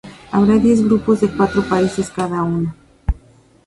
Habrá diez grupos de cuatro países cada uno.